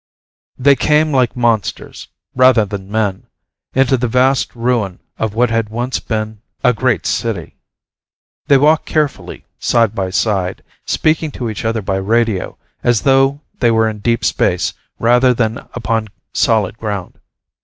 _ They came like monsters, rather than men, into the vast ruin of what had once been a great city. They walked carefully, side by side, speaking to each other by radio as though they were in deep space rather than upon solid ground.